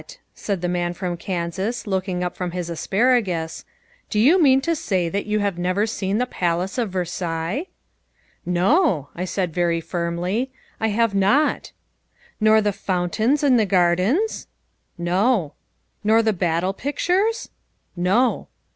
said the man from Kansas, looking up from his asparagus, "do you mean to say that you have never seen the Palace of Versailles?" "No," I said very firmly, "I have not." "Nor the fountains in the gardens?" "No." "Nor the battle pictures?" "No."